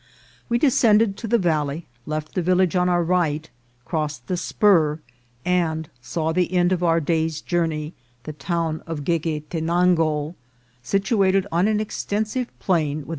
We descend ed to the valley, left the village on our right, crossed the spur, and saw the end of our day's journey, the town of Gueguetenango, situated on an extensive plain, with GTJEGUETENANGO.